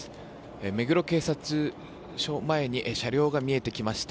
目黒警察署前に車両が見えてきました。